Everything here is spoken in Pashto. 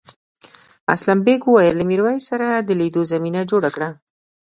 اسلم بېگ وویل له میرويس سره د لیدو زمینه جوړه کړه.